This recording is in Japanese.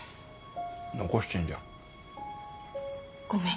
残してんじゃん。ごめん。